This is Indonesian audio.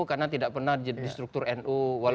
karena tidak pernah di struktur nu